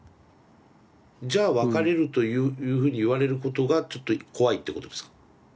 「じゃあ別れる」というふうに言われることがちょっと怖いってことですか？